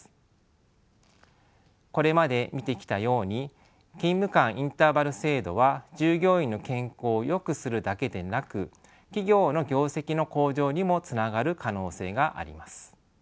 これまで見てきたように勤務間インターバル制度は従業員の健康をよくするだけでなく企業の業績の向上にもつながる可能性があります。